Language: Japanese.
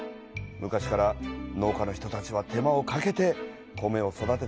昔から農家の人たちは手間をかけて米を育ててきたんだねえ。